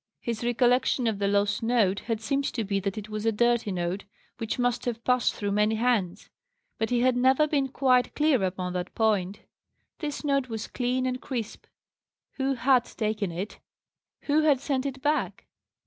His recollection of the lost note had seemed to be that it was a dirty note, which must have passed through many hands; but he had never been quite clear upon that point. This note was clean and crisp. Who had taken it? Who had sent it back?